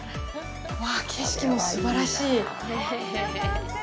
わあ、景色もすばらしい。